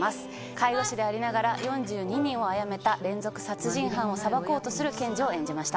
介護士でありながら４２人を殺めた連続殺人犯を裁こうとする検事を演じました。